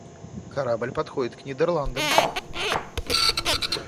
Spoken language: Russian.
Корабль подходит к Нидерландам.